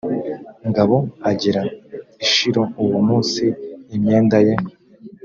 ngabo agera i shilo uwo munsi imyenda ye